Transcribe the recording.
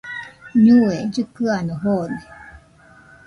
ñue llɨkɨano joone